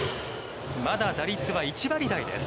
まだ打率は１割台です。